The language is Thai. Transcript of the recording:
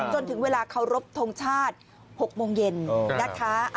จนถึงเวลาเคารพทงชาติ๖โมงเย็นนะคะ